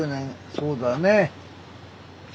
そうだね。